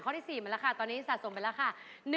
ข้อที่๔มาแล้วค่ะตอนนี้อินสาสมเป็นราคา